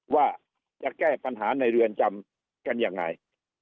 ว่าจะแก้ปัญหาในเรือนจำกันยังไง